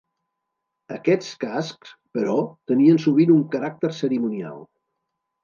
Aquests cascs, però, tenien sovint un caràcter cerimonial.